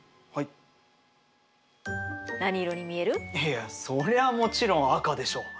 いやそりゃもちろん赤でしょう。